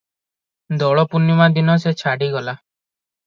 ଦୋଳପୂର୍ଣ୍ଣିମା ଦିନ ସେ ଛାଡ଼ିଗଲା ।